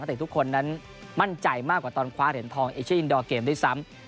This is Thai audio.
เด็กทุกคนนั้นมั่นใจมากกว่าตอนคว้าเหรียญทองเอเชียอินดอร์เกมด้วยซ้ำ